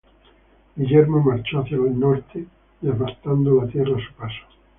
Guillermo marchó hacia el norte, devastando la tierra a su paso.